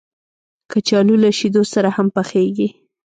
کچالو له شیدو سره هم پخېږي